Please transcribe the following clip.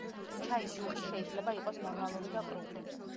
ჩაის დუყი შეიძლება იყოს ნორმალური და ყრუ.